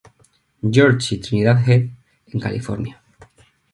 George y Trinidad Head, en California.